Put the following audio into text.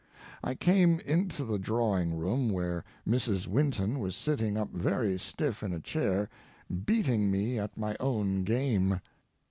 I came into the drawing room, where Mrs. Winton was sitting up very stiff in a chair, beating me at my own game.